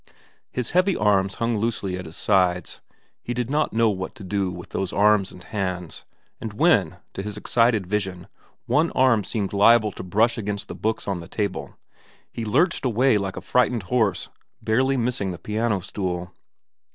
His heavy arms hung loosely at his sides. He did not know what to do with those arms and hands, and when, to his excited vision, one arm seemed liable to brush against the books on the table, he lurched away like a frightened horse, barely missing the piano stool.